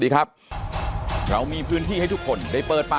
ครับอย่างนี้ครับ